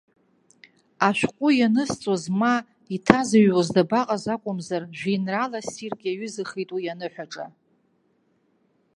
Ашәҟәы ианызҵоз ма иҭазыҩуаз дабаҟаз акәымзар, жәеинраала ссирк иаҩызахеит уи аныҳәаҿа.